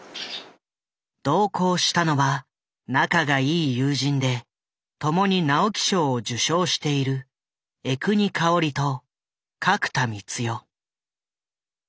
同行したのは仲がいい友人でともに直木賞を受賞している江國香織と角田光代。